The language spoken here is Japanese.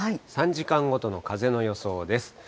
３時間ごとの風の予想です。